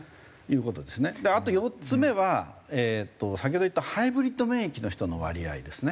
あと４つ目は先ほど言ったハイブリッド免疫の人の割合ですね。